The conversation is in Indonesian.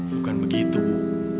bukan begitu bu